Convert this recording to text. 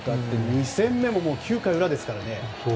２戦目も９回裏ですからね。